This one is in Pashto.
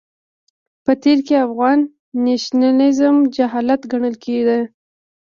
په تېر کې افغان نېشنلېزم جهالت ګڼل کېده.